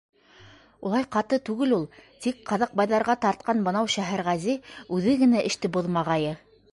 Улай ҡаты түгел ул, тик Ҡаҙакбайҙарға тартҡан бынау Шәһәрғәзе үҙе генә эште боҙмағайы.